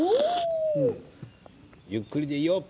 ゆっくりでいいよ。